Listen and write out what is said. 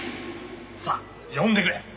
さあ読んでくれ！